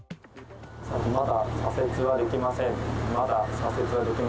まだ左折はできません。